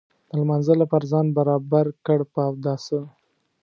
د لمانځه لپاره ځان برابر کړ په اوداسه.